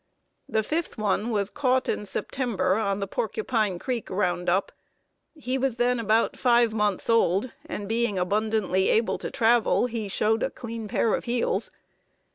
The fifth one was caught in September on the Porcupine Creek round up. He was then about five months old, and being abundantly able to travel he showed a clean pair of heels.